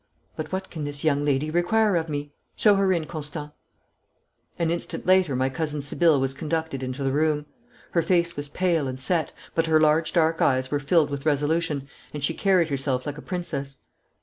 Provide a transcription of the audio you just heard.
But what can this young lady require of me? Show her in, Constant!' An instant later my cousin Sibylle was conducted into the room. Her face was pale and set, but her large dark eyes were filled with resolution, and she carried herself like a princess.